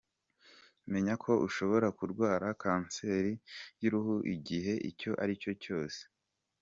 Menya ko ushobora kurwara kanseri y’uruhu igihe icyo ari cyo cyose.